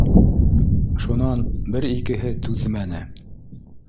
Шунан бер-икеһе түҙмәне